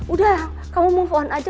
udah kamu mohon aja